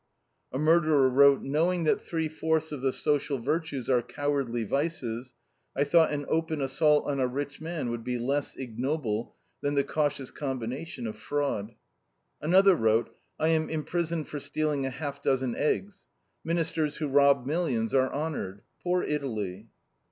A murderer wrote: "Knowing that three fourths of the social virtues are cowardly vices, I thought an open assault on a rich man would be less ignoble than the cautious combination of fraud." Another wrote: "I am imprisoned for stealing a half dozen eggs. Ministers who rob millions are honored. Poor Italy!"